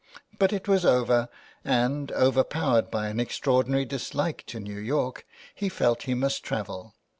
But it was over, and, overpowered by an extraordinary dislike to New York, he felt he must travel.